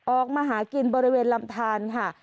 ออกมาหากินบริเวณลำทานค่ะ